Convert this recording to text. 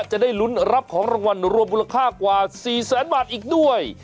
จะได้ลุ้นรับของรางวัลรวมมูลค่ากว่า๔แสนบาทอีกด้วย